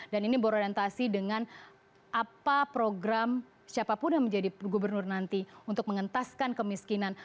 dan ini berorientasi dengan apa program siapapun yang menjadi gubernur nanti untuk mengentaskan kemiskinan